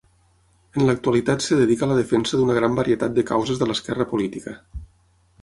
En l'actualitat es dedica a la defensa d'una gran varietat de causes de l'esquerra política.